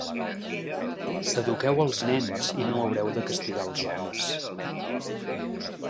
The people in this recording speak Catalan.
Eduqueu els nens i no haureu de castigar els homes.